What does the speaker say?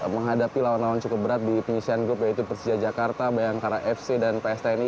menghadapi lawan lawan cukup berat di penyisian grup yaitu persija jakarta bayangkara fc dan pstni